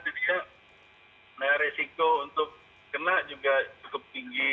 jadi ya maya resiko untuk kena juga cukup tinggi